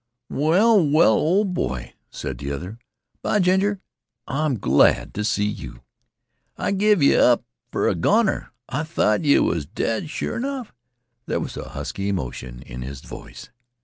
"Well, well, ol' boy," said the other, "by ginger, I'm glad t' see yeh! I give yeh up fer a goner. I thought yeh was dead sure enough." There was husky emotion in his voice.